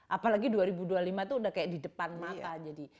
apalagi dua ribu dua puluh lima itu udah kayak di depan mata